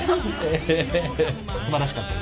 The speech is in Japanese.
すばらしかった。